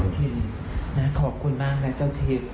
ทีมนะขอบคุณมากนะเจ้าทิพย์